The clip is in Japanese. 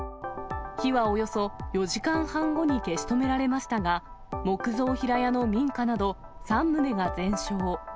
火はおよそ４時間半後に消し止められましたが、木造平屋の民家など３棟が全焼。